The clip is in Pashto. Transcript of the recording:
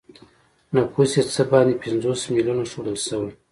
نفوس یې څه د باندې پنځوس میلیونه ښودل شوی.